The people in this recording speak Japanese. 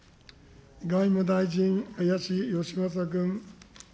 外務大臣、林芳正君。